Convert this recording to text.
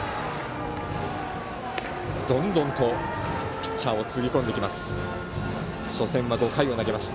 どんどんとピッチャーをつぎ込んできます。